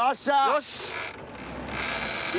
よし。